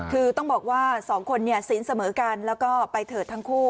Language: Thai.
คือต้องบอกว่าสองคนศีลเสมอกันแล้วก็ไปเถิดทั้งคู่